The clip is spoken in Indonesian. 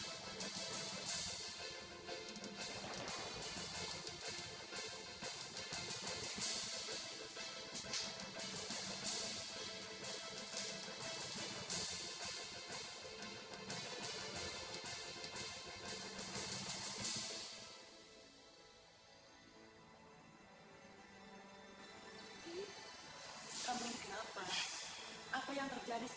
kamu ini kenapa apa yang terjadi sebenarnya d